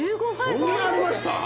そんなありました？